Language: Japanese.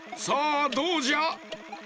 さあどうじゃ？